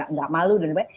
nggak malu dan lain lain